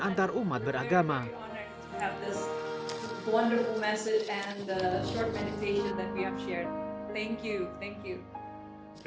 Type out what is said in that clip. kami sangat bersemangat untuk mendapatkan pesan yang menarik dan meditasi yang kita telah berbagi